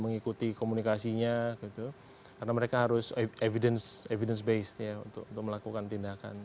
mengikuti komunikasinya karena mereka harus evidence based untuk melakukan tindakan